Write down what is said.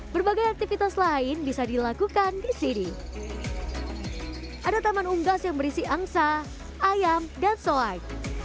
berbagai aktivitas lain bisa dilakukan di sini ada taman unggas yang berisi angsa ayam dan soai